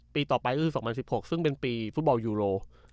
ปีต่อไปก็คือ๒๐๑๖ซึ่งเป็นปีฟุตบอลยูโร